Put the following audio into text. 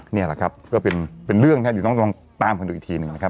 เนี่ยแหละครับก็เป็นเป็นเรื่องแห้งต้องต้องตามคนอีกทีนึงแหละครับ